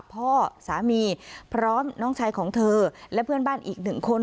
พ่อสามีพร้อมน้องชายของเธอและเพื่อนบ้านอีกหนึ่งคน